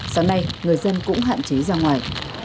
sáng nay người dân cũng hạn chế ra ngoài